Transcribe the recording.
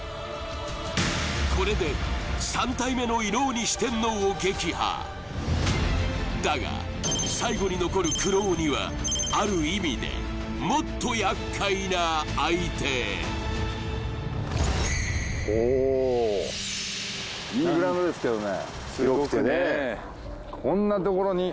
これで３体目の色鬼四天王を撃破だが最後に残る黒鬼はある意味でもっと厄介な相手おっいいグラウンドですけどね